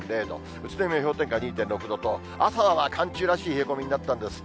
宇都宮氷点下２．６度と、朝は寒中らしい冷え込みになったんです。